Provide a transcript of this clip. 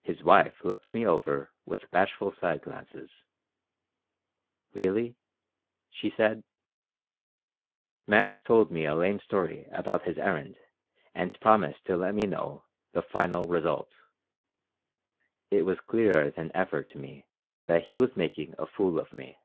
His wife looked me over with bashful side glances. "Really?" she said. Max told me a lame story about his errand and promised to let me know the "final result." It was clearer than ever to me that he was making a fool of me.